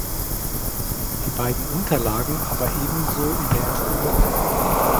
Die beiden unterlagen aber ebenso in der ersten Runde.